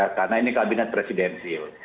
karena ini kabinet presidensil